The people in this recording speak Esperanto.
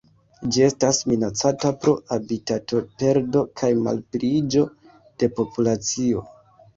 Ĝi estas minacata pro habitatoperdo kaj malpliiĝo de populacio.